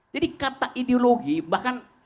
jadi kata ideologi bahkan